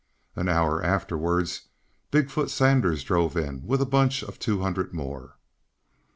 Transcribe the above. An hour afterwards, Big foot Sanders drove in with a bunch of two hundred more.